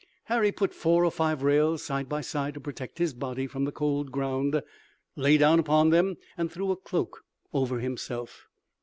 Harry put four or five rails side by side to protect his body from the cold ground, lay down upon them and threw a cloak over himself.